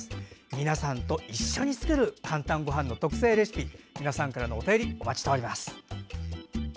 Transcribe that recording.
皆さんと一緒に作る「かんたんごはん」の特製レシピ皆さんからのお便りお待ちしております。